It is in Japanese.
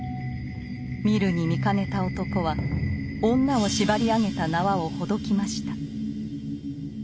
見るに見かねた男は女を縛り上げた縄をほどきました。